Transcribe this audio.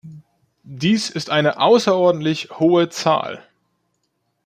Dies ist eine außerordentlich hohe Zahl.